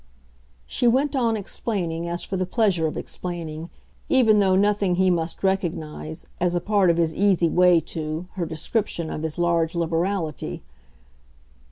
She went on explaining as for the pleasure of explaining even though knowing he must recognise, as a part of his easy way too, her description of his large liberality.